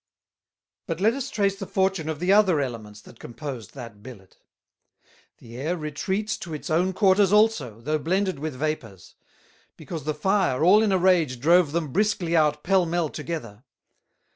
"But let us trace the Fortune of the other Elements that composed that Billet. The Air retreats to its own Quarters also, though blended with Vapours; because the Fire all in a rage drove them briskly out Pell mell together.